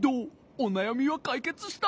おなやみはかいけつした？